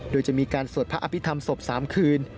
โดยจะมีการสวดพระอภิษฐรรมศพ๓คืน